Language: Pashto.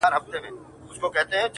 نن هغه سالار د بل په پښو كي پروت دئ،